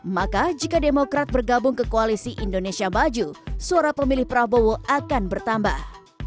maka jika demokrat bergabung ke koalisi indonesia maju suara pemilih prabowo akan bertambah